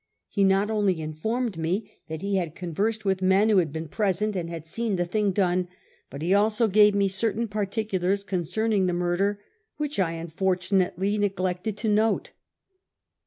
He not only informed me that ho had conversed with men who had been present and hod seen the thing done, but he also gave me certain particulars concerning the murder which 1 unfortunately neglected to note.